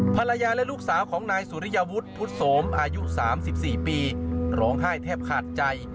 ภรรยาและลูกสาวของนายสุริยวุฒิพุทธโสมอายุ๓๔ปีร้องไห้แทบขาดใจ